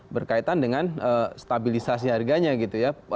berkaitan dengan stabilisasi harganya gitu ya